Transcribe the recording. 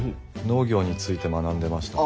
農業について学んでました。